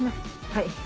はい。